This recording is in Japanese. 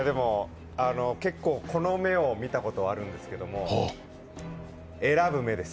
結構、この目を見たことはあるんですけど、選ぶ目です。